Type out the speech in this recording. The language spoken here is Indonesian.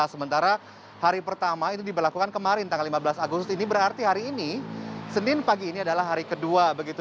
sementara hari pertama itu diberlakukan kemarin tanggal lima belas agustus ini berarti hari ini senin pagi ini adalah hari kedua begitu